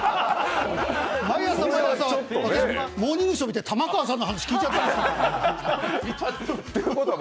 毎朝毎朝、「モーニングショー」見て玉川さんの話、聞いちゃった。